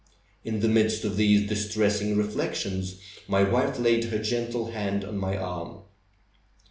In the midst of these distressing reflections my wife laid her gentle hand on my arm.